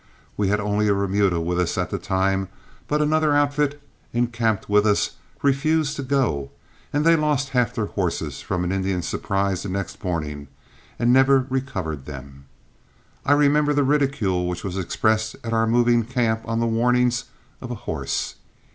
We had only a remuda with us at the time, but another outfit encamped with us refused to go, and they lost half their horses from an Indian surprise the next morning and never recovered them. I remember the ridicule which was expressed at our moving camp on the warnings of a horse.